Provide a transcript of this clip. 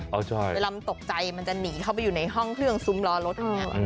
เวลามันตกใจมันจะหนีเข้าไปอยู่ในห้องเครื่องซุ้มล้อรถอย่างนี้